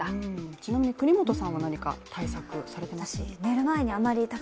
ちなみに國本さんは何か対策していますか？